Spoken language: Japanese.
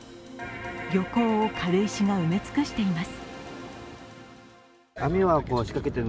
漁港を軽石が埋め尽くしています。